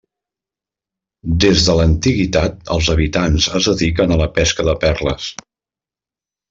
Des de l'antiguitat els habitants es dediquen a la pesca de perles.